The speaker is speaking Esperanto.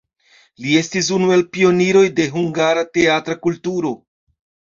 Li estis unu el pioniroj de hungara teatra kulturo.